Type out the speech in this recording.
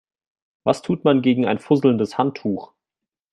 Was tut man gegen ein fusselndes Handtuch?